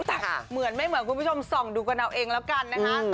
แต่เหมือนไม่เหมือนคุณผู้ชมส่องดูกันเอาเองแล้วกันนะคะ